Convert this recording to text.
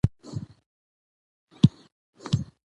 په ډېر ښه شکل تر سره شوې لوستونکي